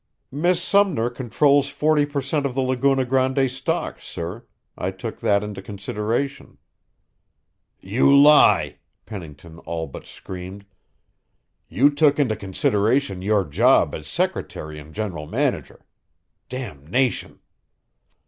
"Miss Sumner controls forty per cent. of the Laguna Grande stock, sir. I took that into consideration." "You lie!" Pennington all but screamed. "You took into consideration your job as secretary and general manager. Damnation!"